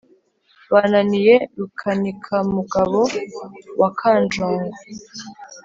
Bananiye Rukanikamugabo wa Kanjongo;